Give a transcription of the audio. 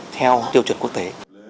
theo tiêu chuẩn quốc tế